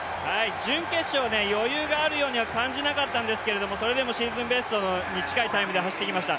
準決勝、余裕があるようには感じなかったんですけどそれでもシーズンベストに近いタイムで走ってきました。